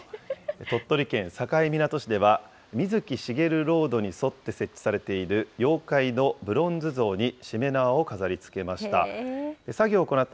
鳥取県境港市では、水木しげるロードに沿って設置されている、妖怪のブロンズ像にしめ縄を飾りつけました。